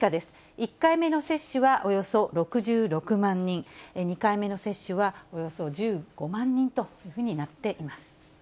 １回目の接種はおよそ６６万人、２回目の接種はおよそ１５万人というふうになっています。